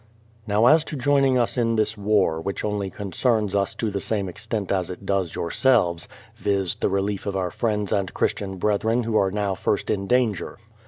Now as to joining us in this war, which only concerns us to the same extent as it does yourselves, viz., the relief of our friends and Christian brethren who are now first in danger.